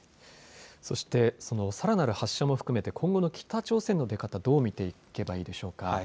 そして、そのさらなる発射も含めて今後の北朝鮮の出方、どう見ていけばいいでしょうか。